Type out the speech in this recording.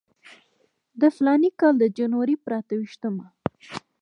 د فلاني کال د جنورۍ پر اته ویشتمه.